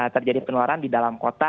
terjadi penularan di dalam kota